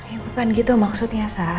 ya bukan gitu maksudnya sa